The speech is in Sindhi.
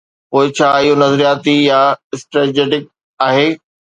پوء ڇا اهو نظرياتي يا اسٽريٽجڪ آهي؟